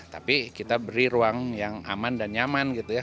tapi kita beri ruang yang aman dan nyaman gitu ya